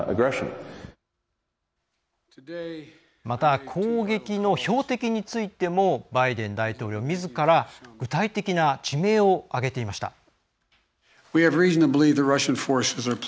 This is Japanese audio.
また攻撃の標的についてもバイデン大統領みずから具体的な地名を挙げていました。